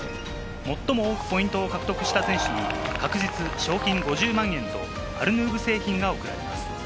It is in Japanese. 最も多くポイントを獲得した選手に各日、賞金５０万円とアルヌーブ製品が贈られます。